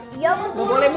tidak boleh bu